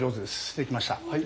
できました。